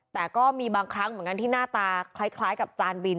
แต่ก็มีบางครั้งเหมือนกันที่หน้าตาคล้ายกับจานบิน